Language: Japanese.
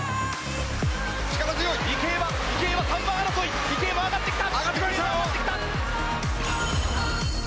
池江は３番争い池江が上がってきた！